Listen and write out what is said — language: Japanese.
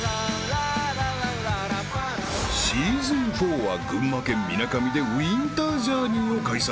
［シーズン４は群馬県みなかみでウィンタージャーニーを開催］